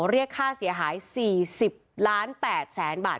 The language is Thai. เรียกค่าเสียหาย๔๐ล้าน๘แสนบาท